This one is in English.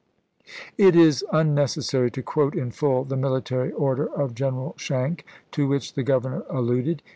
It is unnecessary to quote in full the military order of General Schenck to which the Governor alluded.